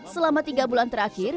selama tiga bulan terakhir